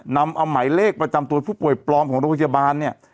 นำเอาหมายเลขประจำตัวผู้ป่วยปลอมของโรงพยาบาลเนี่ย